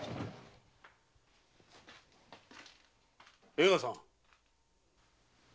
江川さん。